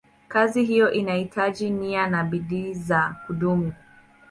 Kazi hiyo inahitaji nia na bidii za kudumu.